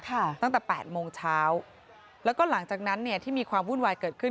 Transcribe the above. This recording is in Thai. ตั้งแต่แปดโมงเช้าแล้วก็หลังจากนั้นเนี่ยที่มีความวุ่นวายเกิดขึ้น